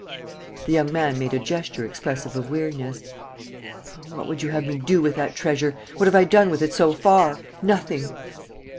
The young man made a gesture expressive of weariness: "Ah, what would you have me do with that treasure? What have I done with it so far? Nothing!"